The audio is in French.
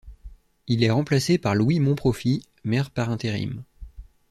Il est remplacé par Louis Monprofit, maire par intérim.